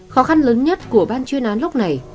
khó khăn lớn nhất của ban chuyên án lúc này